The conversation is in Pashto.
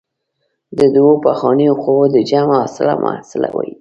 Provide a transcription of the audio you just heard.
د دوو پخوانیو قوو د جمع حاصل محصله وايي.